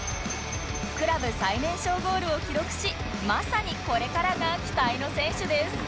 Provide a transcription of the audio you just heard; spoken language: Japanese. クラブ最年少ゴールを記録しまさにこれからが期待の選手です